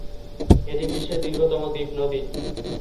এটি বিশ্বের দীর্ঘতম দ্বীপ নদী।